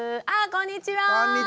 こんにちは。